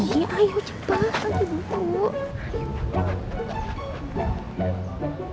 wih kok nyata nyata dulu